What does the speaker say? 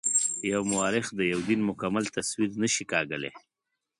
یو مورخ د یوه دین مکمل تصویر نه شي کاږلای.